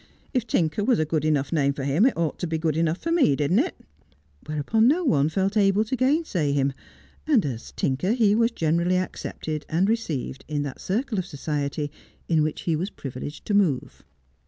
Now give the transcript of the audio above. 'If Tinker was a good enough name for him it ought to be good enough for me, didn't it ?' whereupon no one felt able to gainsay him, and as Tinker he was generally accepted and received in that circle of society in which he was privileged to move.